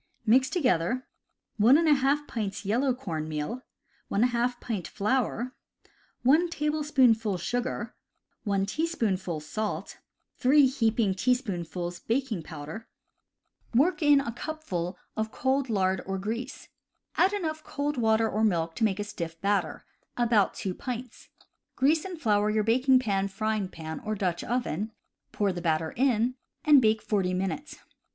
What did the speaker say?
— Mix together: 1^ pints yellow corn meal, ^ pint flour, 1 tablespoonful sugar, 1 teaspoonful salt, 3 heaping teaspoonfuls baking powdero 126 CAMPING AND WOODCRAFT Work in a cupful of cold lard or grease. Add enough cold water or milk to make a stiff batter (about 2 pints). Grease and flour your baking pan, frying pan, or Dutch oven, pour the batter in, and bake forty minutes.